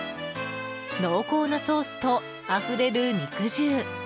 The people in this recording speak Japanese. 濃厚なソースとあふれる肉汁。